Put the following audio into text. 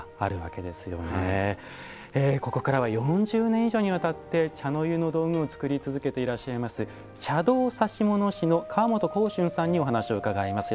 ここからは４０年以上にわたり茶の湯の道具をつくり続けている茶道指物師の川本光春さんにお話を伺います。